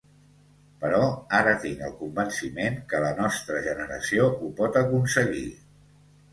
Però ara tinc el convenciment que la nostra generació ho pot aconseguir.